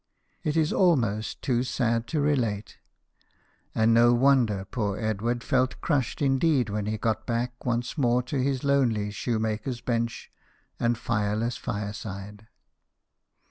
It is almost too sad to relate ; and no wonder poor Edward felt crushed indeed when he got back once more to his lonely shoemaker's bench and tireless fire side.